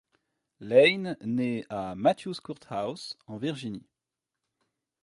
Lane naît à Mathews Court House, en Virginie.